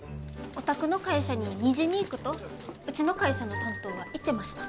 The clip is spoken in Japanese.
お宅の会社に２時に行くとうちの会社の担当は言ってました。